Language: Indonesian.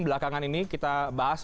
belakangan ini kita bahas